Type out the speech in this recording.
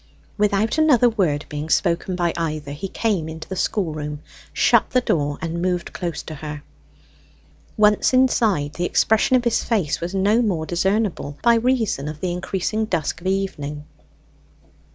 Without another word being spoken by either, he came into the schoolroom, shut the door, and moved close to her. Once inside, the expression of his face was no more discernible, by reason of the increasing dusk of evening.